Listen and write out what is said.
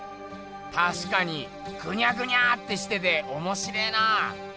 たしかにぐにゃぐにゃってしてておもしれえなあ。